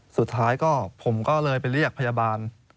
สุดท้ายก็ผมก็เลยไปเรียกพยาบาล